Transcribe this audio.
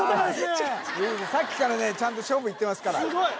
違う違うさっきからねちゃんと勝負いってますからすごい！